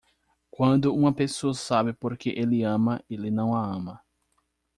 Quando uma pessoa sabe por que ele ama, ele não a ama.